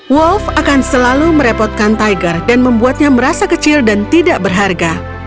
wolf akan selalu merepotkan tiger dan membuatnya merasa kecil dan tidak berharga